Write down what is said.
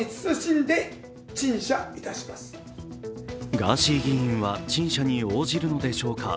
ガーシー議員は陳謝に応じるのでしょうか。